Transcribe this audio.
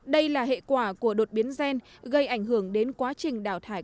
đây là hệ quả của đột biến gen gây ảnh hưởng đến quá trình đào thải